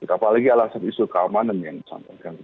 apalagi alasan isu keamanan yang disampaikan